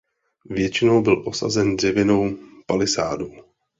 Většinou byl osazen dřevěnou palisádou.